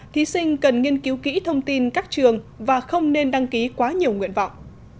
thí sinh cần nghiên cứu kỹ thông tin các trường và không nên đăng ký quá nhiều nguyện vọng